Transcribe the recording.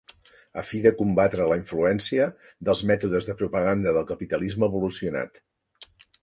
A fi de combatre la influència dels mètodes de propaganda del capitalisme evolucionat.